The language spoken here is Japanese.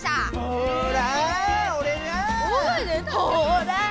ほら。